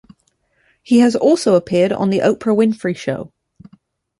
He has also appeared on "The Oprah Winfrey Show".